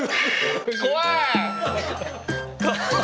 怖い！